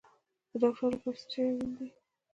د ډاکټر لپاره څه شی اړین دی؟